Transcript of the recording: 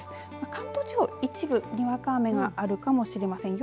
関東地方、一部にわか雨があるかもしれません。